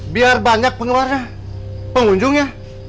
biar banyak pengeluar pengunjungnya